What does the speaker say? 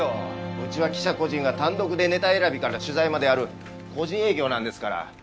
うちは記者個人が単独でネタ選びから取材までやる個人営業なんですから。